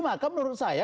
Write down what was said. maka menurut saya